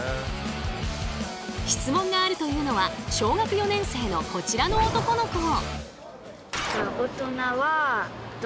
質問があるというのは小学４年生のこちらの男の子。